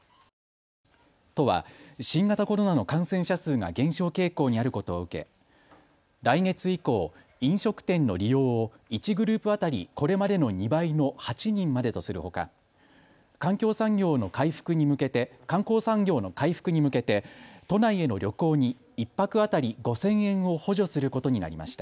都は新型コロナの感染者数が減少傾向にあることを受け来月以降、飲食店の利用を１グループ当たりこれまでの２倍の８人までとするほか観光産業の回復に向けて都内への旅行に１泊当たり５０００円を補助することになりました。